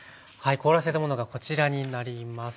凍らせたものがこちらになります。